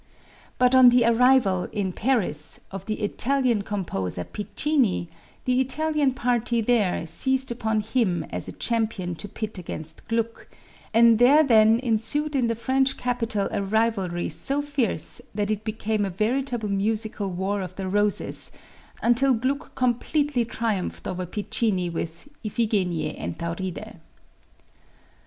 But on the arrival, in Paris, of the Italian composer, Piccini, the Italian party there seized upon him as a champion to pit against Gluck, and there then ensued in the French capital a rivalry so fierce that it became a veritable musical War of the Roses until Gluck completely triumphed over Piccini with "Iphigenie en Tauride."